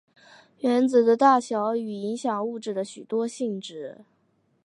原子的大小与影响物质的许多性质。